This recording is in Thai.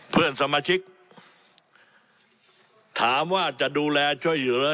เพื่อนสมาชิกถามว่าจะดูแลช่วยเหลือ